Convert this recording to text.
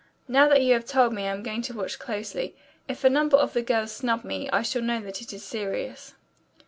Now that you have told me I'm going to watch closely. If a number of the girls snub me, I shall know that it is serious."